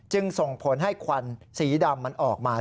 ส่งผลให้ควันสีดำมันออกมา